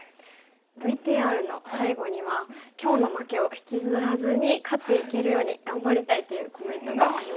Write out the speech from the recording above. ＶＴＲの最後には「今日の負けを引きずらずに勝っていけるように頑張りたい」っていうコメントがありましたよね。